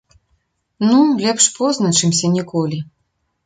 Ну, лепш позна, чымся ніколі.